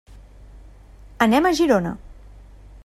Anem a Girona.